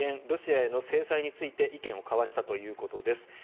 ロシアへの制裁について意見を交わしたということです。